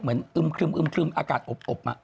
เหมือนอึมคลึมอึมคลึมอากาศอบมา